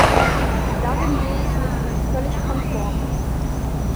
Darin gehe ich mit Ihnen völlig konform.